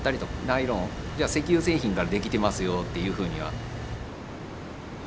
ナイロン石油製品から出来てますよっていうふうには。